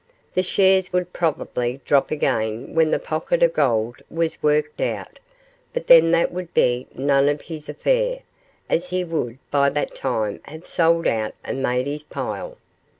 The shares would probably drop again when the pocket of gold was worked out, but then that would be none of his affair, as he would by that time have sold out and made his pile.